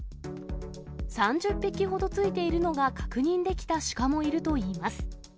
３０匹ほどついているのが確認できた鹿もいるといいます。